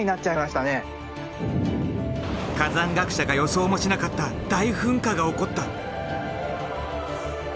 火山学者が予想もしなかった大噴火が起こった。